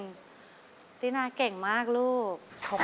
กลับมาฟังเพลง